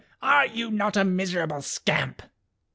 are you not a miserable scamp?"